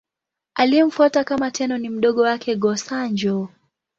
Aliyemfuata kama Tenno ni mdogo wake, Go-Sanjo.